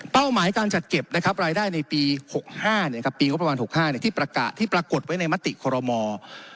เป้าหมายการจัดเก็บนะครับรายได้ในปีหกห้าเนี่ยครับปีก็ประมาณหกห้าเนี่ยที่ประกะที่ปรากฏไว้ในมติโครมอล์